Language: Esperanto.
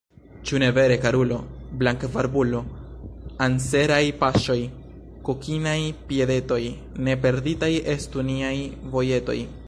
Ĉu ne vere, karulo, blankbarbulo, anseraj paŝoj, kokinaj piedetoj, ne perditaj estu niaj vojetoj!